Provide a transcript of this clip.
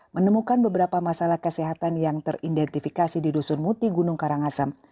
menemukan beberapa masalah kesehatan yang teridentifikasi di dusun muti gunung karangasem